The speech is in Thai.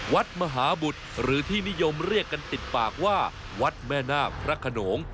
วัดมหาบุตรหรือที่นิยมเรียกกันติดปากว่าวัดแม่นาคพระขนง